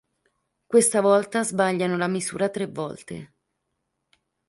Questa volta sbagliano la misura tre volte.